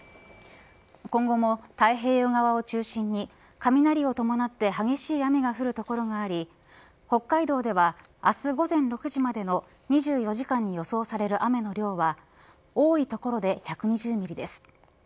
今後も太平洋側を中心に雷を伴って激しい雨が降る所があり北海道では明日午前６時までの２４時間に予想される雨の量は多い所で１２０ミリです。